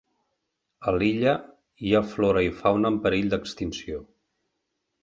A l'illa hi ha flora i fauna en perill d'extinció.